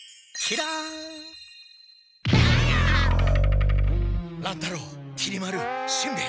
乱太郎きり丸しんべヱ。